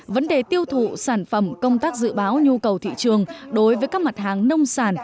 vấn đề tiêu thụ sản phẩm công tác dự báo nhu cầu thị trường đối với các mặt hàng nông sản